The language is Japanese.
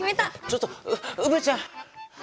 ちょっとうぶちゃん！